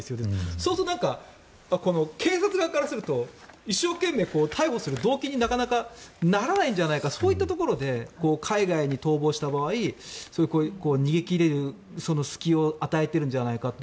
そうすると、警察側からすると一生懸命逮捕する動機になかなかならないんじゃないかそういったところで海外に逃亡した場合逃げ切れる隙を与えてるんじゃないかと。